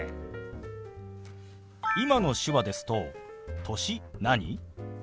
今の手話ですと「歳何？」